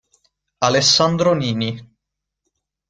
Alessandro Nini